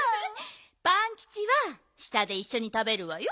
パンキチは下でいっしょにたべるわよ。